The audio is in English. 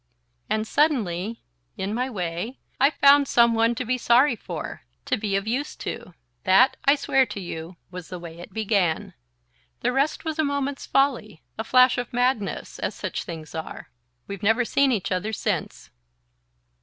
And suddenly, in my way, I found some one to be sorry for, to be of use to. That, I swear to you, was the way it began. The rest was a moment's folly ... a flash of madness ... as such things are. We've never seen each other since..."